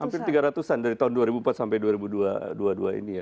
hampir tiga ratus an dari tahun dua ribu empat sampai dua ribu dua puluh dua ini ya